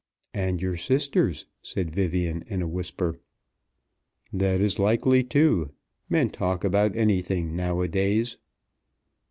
"And your sister's," said Vivian in a whisper. "That is likely too. Men talk about anything now a days."